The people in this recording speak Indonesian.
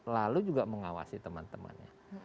lalu juga mengawasi teman temannya